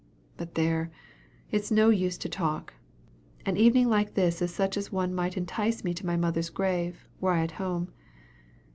But there! it's no use to talk. "An evening like this is such an one as might entice me to my mother's grave, were I at home.